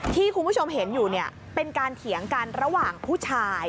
ที่คุณผู้ชมเห็นอยู่เนี่ยเป็นการเถียงกันระหว่างผู้ชาย